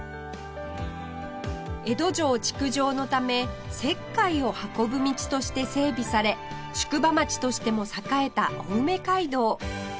江戸城築城のため石灰を運ぶ道として整備され宿場町としても栄えた青梅街道